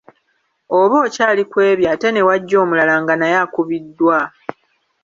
Oba okyali ku ebyo ate ne wajja omulala nga naye akubiddwa.